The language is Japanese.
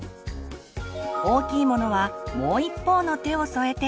大きいものはもう一方の手を添えて。